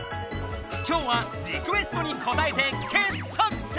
今日はリクエストにこたえて傑作選！